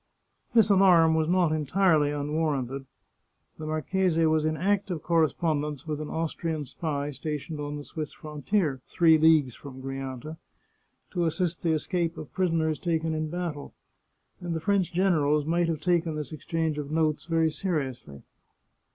This alarm was not entirely unwarranted. The marchese was in active correspondence with an Austrian spy sta tioned on the Swiss frontier, three leagues from Grianta, to assist the escape of prisoners taken in battle, and the French generals might have taken this exchange of notes very seriously.